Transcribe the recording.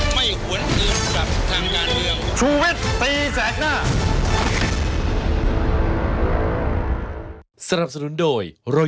ไม่หวนอื่นกับทางการเรื่อง